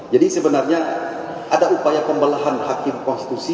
sebenarnya ada upaya pembelahan hakim konstitusi